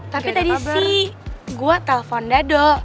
tapi tadi sih gue telfon dado